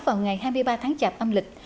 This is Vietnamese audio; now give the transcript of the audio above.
vào ngày hai mươi ba tháng chạp âm lịch